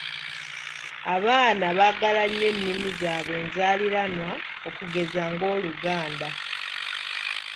"Abaana baagala nnyo ennimi zaabwe enzaaliranwa okugeza nga, Oluganda."